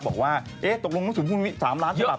บอกว่าเอ๊ะตกลงต้องสูงพรุ่งนี้๓ล้านศาบับจะพอไหม